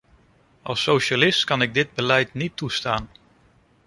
Als socialist kan ik dit beleid niet toestaan.